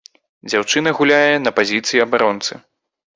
Дзяўчына гуляе на пазіцыі абаронцы.